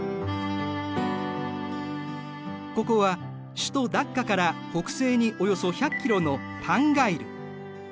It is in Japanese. ここは首都ダッカから北西におよそ１００ｋｍのタンガイル。